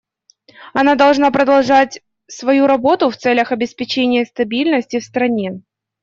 Она должна продолжать свою работу в целях обеспечения стабильности в стране.